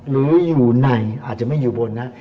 หรืออยู่ในอาจจะไม่อยู่บนนะ